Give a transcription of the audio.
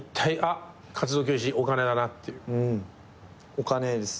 お金です。